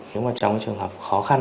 nếu mà trong trường hợp khó khăn